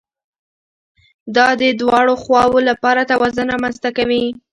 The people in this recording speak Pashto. دا د دواړو خواوو لپاره توازن رامنځته کوي